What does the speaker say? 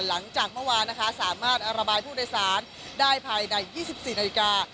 หลังจากเมื่อวานนะคะสามารถระบายผู้โดยสารได้ภายใน๒๔นาฬิกา